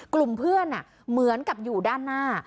กลุ่มเพื่อนเหมือนกับอยู่ด้านหน้า